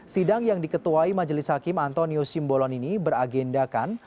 sidang yang diketuai majelis hakim antonio simbolon ini beragendakan